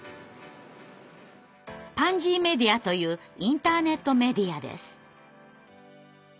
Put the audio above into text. パンジーメディアというインターネットメディアです。